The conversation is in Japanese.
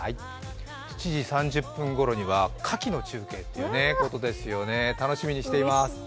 ７時３０分頃には牡蠣の中継ということですね、楽しみにしています。